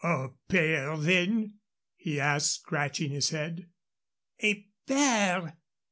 "A pair, then?" he asked, scratching his head. "A pair?"